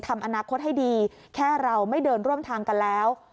ทำอนาคตให้ดีแค่เราไม่เดินร่วมทางกันแล้ว